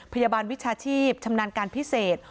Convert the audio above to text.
พยาบาลวิชาชีพชำนาญการพิเศษ